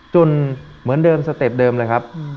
เหมือนเดิมสเต็ปเดิมเลยครับ